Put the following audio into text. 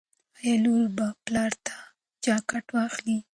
ایا لور به پلار ته جاکټ واخلي؟